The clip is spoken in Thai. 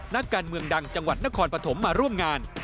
นักการเมืองดังจังหวัดนครปฐมมาร่วมงาน